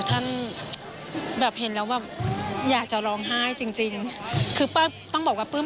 ที่มีโอกาสได้ไปชม